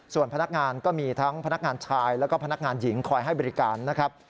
ส่วนพนักงานก็มีทั้งพนักงานชายแล้วก็พนักงานหญิงคอยให้บริการนะครับ